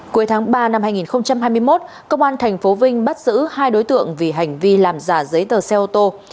cuối tháng ba năm hai nghìn hai mươi một công an tp vinh bắt giữ hai đối tượng vì hành vi làm giả giấy tờ xe ô tô